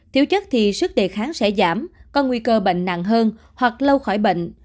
thiếu chất thì sức đề kháng sẽ giảm có nguy cơ bệnh nặng hơn hoặc lâu khỏi bệnh